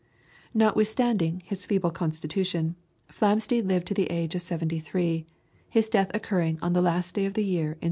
Notwithstanding his feeble constitution, Flamsteed lived to the age of seventy three, his death occurring on the last day of the year 1719.